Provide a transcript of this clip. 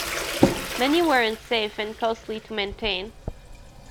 Many were unsafe and costly to maintain.